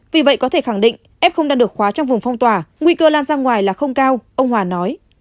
vì vậy có thể khẳng định f đang được khóa trong vùng phong tỏa nguy cơ lan ra ngoài là không cao ông hòa nói